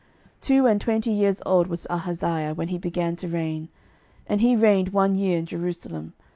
12:008:026 Two and twenty years old was Ahaziah when he began to reign; and he reigned one year in Jerusalem.